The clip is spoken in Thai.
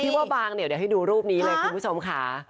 ว่าบางเดี๋ยวให้ดูรูปนี้เลยคุณผู้ชมค่ะ